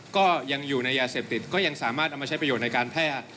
ก็ยังอยู่ในยาเสพติดก็ยังสามารถเอามาใช้ประโยชน์ในการแพทย์